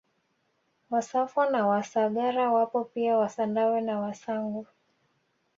Wasafwa na Wasagara wapo pia Wasandawe na Wasangu